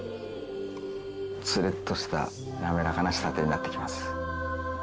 ツルッとしたなめらかな仕立てになってきます。